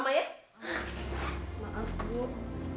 menurut pak arief sendirian